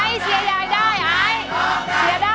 ไอซ์เสียยายได้ไอซ์เสียได้ลูก